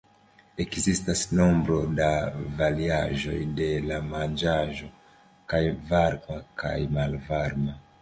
Ekzistas nombro da variaĵoj de la manĝaĵo, kaj varma kaj malvarma.